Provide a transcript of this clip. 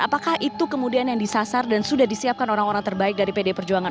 apakah itu kemudian yang disasar dan sudah disiapkan orang orang terbaik dari pd perjuangan